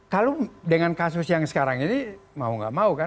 kalau dengan kasus yang sekarang ini mau gak mau kan